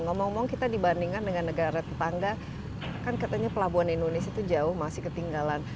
ngomong ngomong kita dibandingkan dengan negara tetangga kan katanya pelabuhan indonesia itu jauh masih ketinggalan